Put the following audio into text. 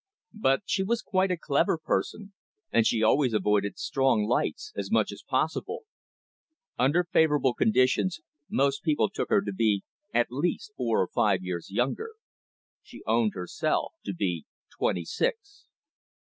But she was quite a clever person, and she always avoided strong lights as much as possible. Under favourable conditions, most people took her to be at least four or five years younger. She owned herself to twenty six.